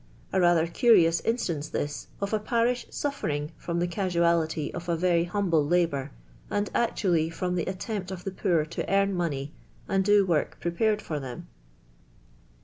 A rather curious in.sUmce thi?, of a parish 8utfiTi::,{ from tlie casualty of a very humble lahioir. and actually from tlie attempt cf the poor to <'arn money, and d i work pn pared f«»r them.